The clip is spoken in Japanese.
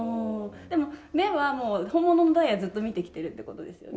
でも目は本物のダイヤずっと見てきてるって事ですよね。